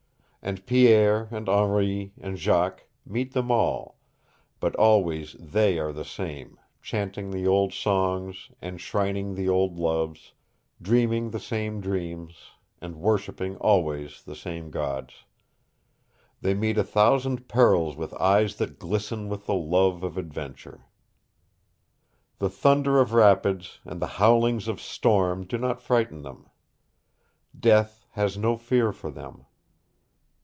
And Pierre and Henri and Jacques meet them all, but always THEY are the same, chanting the old songs, enshrining the old loves, dreaming the same dreams, and worshiping always the same gods. They meet a thousand perils with eyes that glisten with the love of adventure. The thunder of rapids and the howlings of storm do not frighten them. Death has no fear for them.